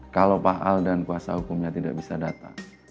kalau pak aldan kuasa hukumnya tidak bisa datang